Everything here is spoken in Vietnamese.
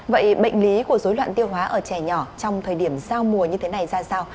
vậy bệnh lý của dối loạn tiêu hóa ở trẻ nhỏ trong thời điểm giao mùa như thế này ra sao